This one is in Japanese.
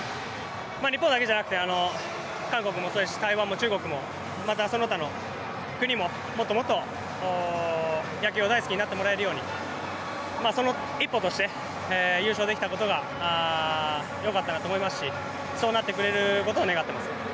日本だけじゃなくて韓国もそうですし、台湾も中国もまた、その他の国ももっともっと野球を大好きになってもらえるようにその一歩として優勝できたことがよかったなと思いますしそうなってくれることを願っています。